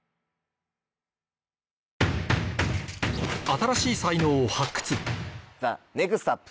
新しい才能を発掘